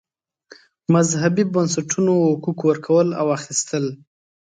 مذهبي بنسټونو حقوق ورکول او اخیستل.